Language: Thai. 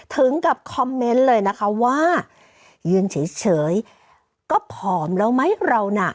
ถึงกับคอมเมนต์เลยนะคะว่ายืนเฉยก็ผอมแล้วไหมเราน่ะ